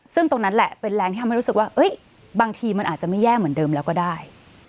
ซึ่งตรงนั้นแหละเป็นแรงที่ทำให้รู้สึกว่าบางทีมันอาจจะไม่แย่เหมือนเดิมแล้วก็ได้